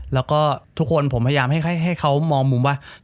แล้วก็ทุกคนผมพยายามให้เขามองมุมว่า